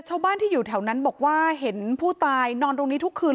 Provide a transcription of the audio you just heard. ชาวบ้านที่อยู่แถวนั้นบอกว่าเห็นผู้ตายนอนตรงนี้ทุกคืน